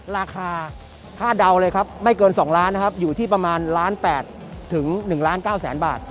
ราคาคาดเดาเลยครับไม่เกิน๒ล้านอยู่ที่ประมาณ๑๘ล้านถึง๑๙ล้านบาท